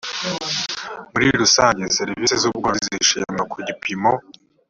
muri rusange serivisi z ubworozi zishimwa ku gipimo